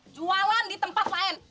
jualan di tempat lain